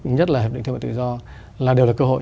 nhất là hiệp định thương mại tự do là đều là cơ hội